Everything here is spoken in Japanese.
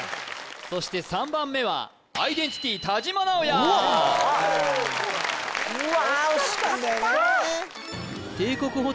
そして３番目はアイデンティティ田島直弥うわ